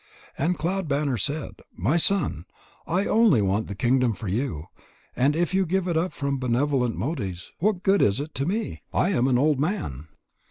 And Cloud banner said: "My son, I only want the kingdom for you, and if you give it up from benevolent motives, what good is it to me? I am an old man."